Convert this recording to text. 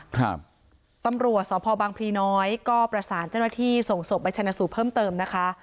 ครับตำรวจสพบังพลีน้อยก็ประสานเจ้าหน้าที่ส่งศพไปชนะสูตรเพิ่มเติมนะคะ